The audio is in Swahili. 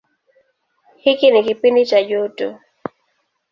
Hiki ni kipindi cha joto.